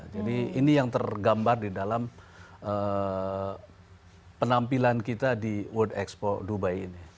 jadi ini yang tergambar di dalam penampilan kita di world expo dubai ini